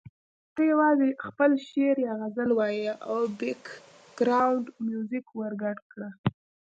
ته یوازې خپل شعر یا غزل وایه او بېکګراونډ میوزیک ورګډ کړه.